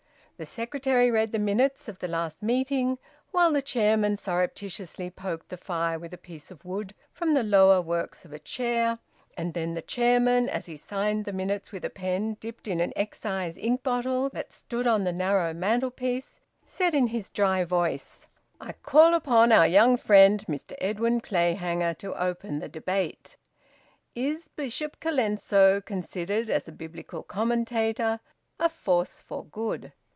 The secretary read the minutes of the last meeting, while the chairman surreptitiously poked the fire with a piece of wood from the lower works of a chair, and then the chairman, as he signed the minutes with a pen dipped in an excise ink bottle that stood on the narrow mantelpiece, said in his dry voice "I call upon our young friend, Mr Edwin Clayhanger, to open the debate, `Is Bishop Colenso, considered as a Biblical commentator, a force for good?'"